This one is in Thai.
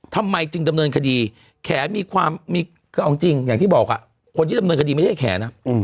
ทำไมจึงดำเนินคดีแขมีความมีคือเอาจริงอย่างที่บอกคนที่ดำเนินคดีไม่ใช่แขนนะ